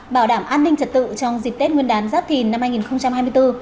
bảo đảm an ninh trật tự trong dịp tết nguyên đán giáp thìn năm hai nghìn hai mươi bốn